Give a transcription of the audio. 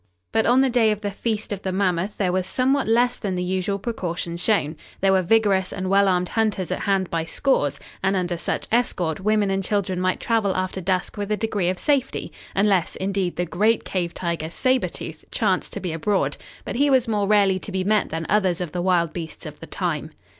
But on the day of the Feast of the Mammoth there was somewhat less than the usual precaution shown. There were vigorous and well armed hunters at hand by scores, and under such escort women and children might travel after dusk with a degree of safety, unless, indeed, the great cave tiger, Sabre Tooth, chanced to be abroad, but he was more rarely to be met than others of the wild beasts of the time.